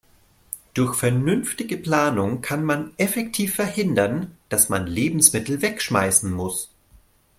Durch vernünftige Planung kann man effektiv verhindern, dass man Lebensmittel wegschmeißen muss.